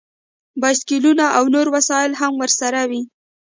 بایسکلونه او نور وسایل هم ورسره وي